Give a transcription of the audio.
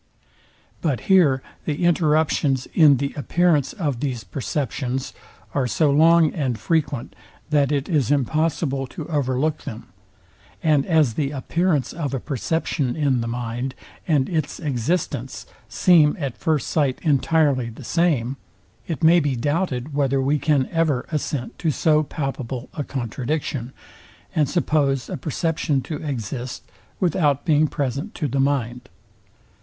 But here the interruptions in the appearance of these perceptions are so long and frequent, that it is impossible to overlook them; and as the appearance of a perception in the mind and its existence seem at first sight entirely the same, it may be doubted, whether we can ever assent to so palpable a contradiction, and suppose a perception to exist without being present to the mind.